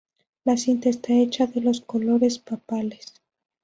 La cinta está hecha de los colores papales.